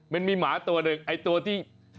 เป็นมีหมาตัวหนึ่งตัวที่